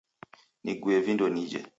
Nigue vindo nije.